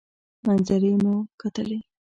منظرې مو کتلې.